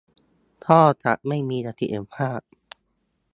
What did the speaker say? ก็จะไม่มีประสิทธิภาพ